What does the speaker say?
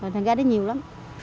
thành ra nó nhiều lắm